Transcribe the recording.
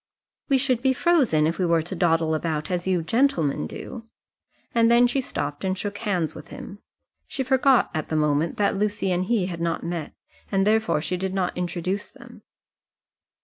"We should be frozen if we were to dawdle about as you gentlemen do," and then she stopped and shook hands with him. She forgot at the moment that Lucy and he had not met, and therefore she did not introduce them.